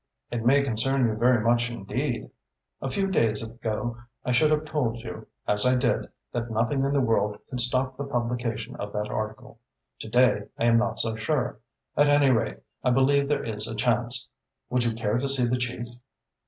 "It may concern you very much indeed. A few days ago I should have told you, as I did, that nothing in the world could stop the publication of that article. To day I am not so sure. At any rate, I believe there is a chance. Would you care to see the chief?"